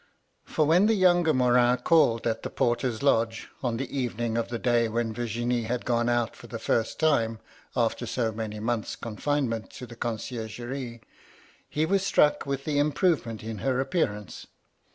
" For when the younger Morin called at the porter's lodge, on the evening of the day when Virginie had gone out for the first time after so many months' con finement to the condergerie, he was struck with the im MY LADY LUDLOW. 149 provement in her appearance.